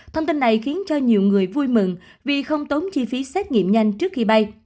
thông tin này khiến cho nhiều người vui mừng vì không tốn chi phí xét nghiệm nhanh trước khi bay